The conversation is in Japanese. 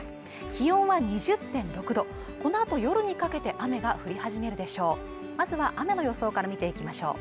気温は２０．６度このあと夜にかけて雨が降り始めるでしょう